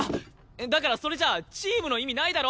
だからそれじゃチームの意味ないだろ！